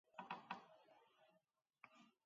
Donostiarrak ez daude multzoburuen artean.